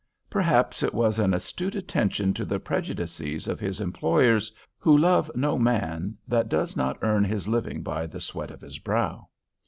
Perhaps it was an astute attention to the prejudices of his employers, who love no man that does not earn his living by the sweat of his brow.